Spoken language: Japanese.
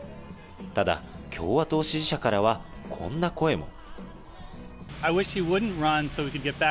ただ、共和党支持者からは、こんな声も。